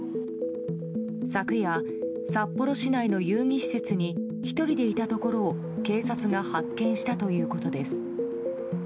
昨夜、札幌市内の遊技施設に１人でいたところを警察が発見したということです。